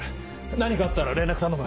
何かあったら連絡頼む。